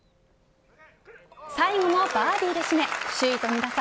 最後もバーディーで締め首位と２打差。